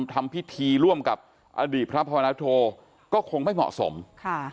ทำพิธีร่วมกับอดีตพระภาวนาโธก็คงไม่เหมาะสมค่ะ